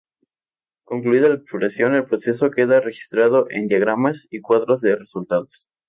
Concluida la exploración el proceso queda registrado en Diagramas y Cuadros de resultados.